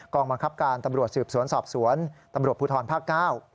บังคับการตำรวจสืบสวนสอบสวนตำรวจภูทรภาคเก้า